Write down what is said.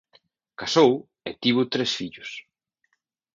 Casou e tivo tres fillos.